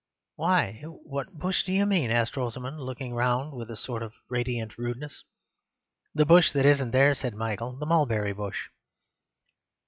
"Why, what bush do you mean?" asked Rosamund, looking round with a sort of radiant rudeness. "The bush that isn't there," said Michael—"the Mulberry Bush."